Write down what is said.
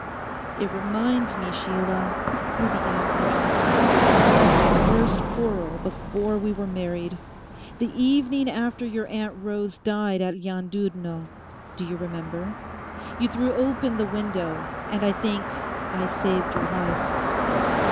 'It reminds me, Sheila,' he began arduously, 'of our first quarrel before we were married, the evening after your aunt Rose died at Llandudno—do you remember? You threw open the window, and I think—I saved your life.